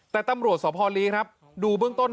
แต่ตำรวจสพลีครับดูเบื้องต้น